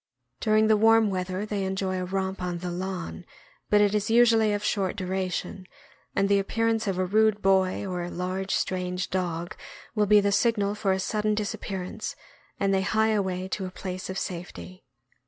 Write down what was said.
During the warm weather they enjoy a romp on the lawn, but it is usually of short duration, and the appear ance of a rude boy or a large strange dog will be the signal for a sudden disappearance, and they hie away to a place of safety.